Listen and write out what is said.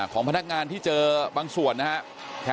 ของพนักงานที่เจอบางส่วนนะครับ